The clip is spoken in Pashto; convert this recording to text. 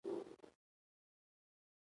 مونږ به پنځه ماشومان ژغورو.